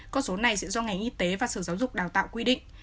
con số này sẽ do ngành y tế và sở giáo dục đào tạo quy định